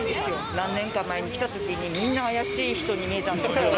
何年か前に来たときに、みんな怪しい人に見えたので。